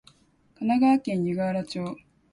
神奈川県湯河原町